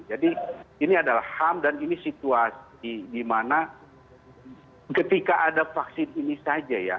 jadi ini adalah ham dan ini situasi di mana ketika ada vaksin ini saja ya